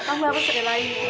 kamu harus berlain